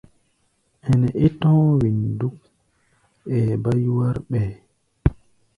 Ɛnɛ é tɔ̧́ɔ̧́ wen dúk, ɛɛ bá yúwár ɓɛɛ́.